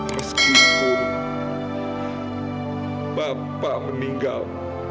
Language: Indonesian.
meskipun bapak meninggal